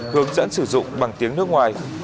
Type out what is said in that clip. hướng dẫn sử dụng bằng tiếng nước ngoài